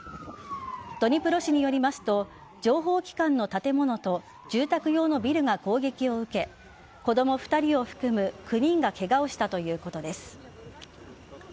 ドニプロ市によりますと情報機関の建物と住宅用のビルが攻撃を受け子供２人を含む９人がケガをしたということです。